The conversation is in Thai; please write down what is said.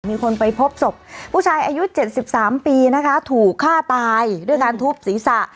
มีคนไปพบศพผู้ชายอายุ๗๓ปีนะคะถูกฆ่าตายด้วยการทุบศีรษะ